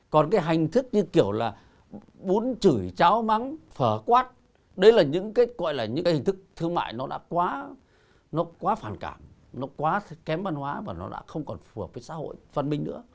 còn cái hình thức như kiểu là bún chửi cháo mắng phở quát đấy là những cái hình thức thương mại nó đã quá phản cảm nó quá kém văn hóa và nó đã không còn phù hợp với xã hội văn minh nữa